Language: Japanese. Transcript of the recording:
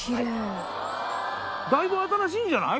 だいぶ新しいんじゃない？